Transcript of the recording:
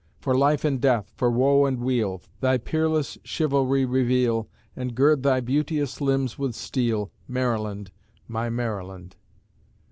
For life and death, for woe and weal, Thy peerless chivalry reveal, And gird thy beauteous limbs with steel, Maryland! My Maryland!